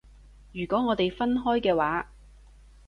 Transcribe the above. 如果我哋分開嘅話